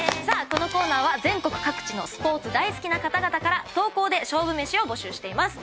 このコーナーは全国各地のスポーツ大好きな方々から投稿で勝負めしを募集しています。